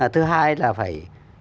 thứ hai là phải